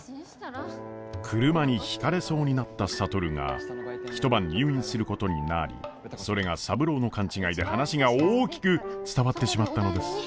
車にひかれそうになった智が一晩入院することになりそれが三郎の勘違いで話が大きく伝わってしまったのです。